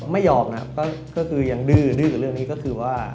ไม่ยอมนะครับก็คือยังดื้อกับเรื่องนี้ก็คือว่า